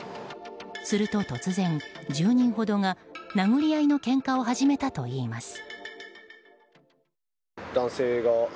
すると、突然１０人ほどが殴り合いのけんかを始めたといいます。